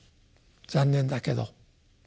残念だけど。